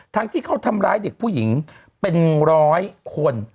ที่เขาทำร้ายเด็กผู้หญิงเป็นร้อยคน